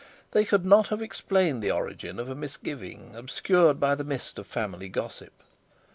They could not have explained the origin of a misgiving obscured by the mist of family gossip.